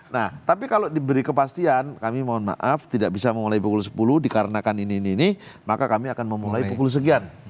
nah tapi kalau diberi kepastian kami mohon maaf tidak bisa memulai pukul sepuluh dikarenakan ini ini maka kami akan memulai pukul sekian